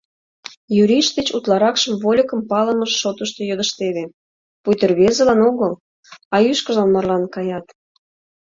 Юриш деч утларакшым вольыкым палымыж шотышто йодыштеве, пуйто рвезылан огыл, а ӱшкыжлан марлан каят.